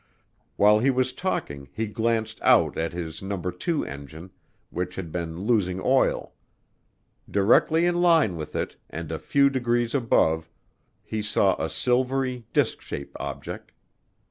While he was talking he glanced out at his No. 2 engine, which had been losing oil. Directly in line with it, and a few degrees above, he saw a silvery, disk shaped object.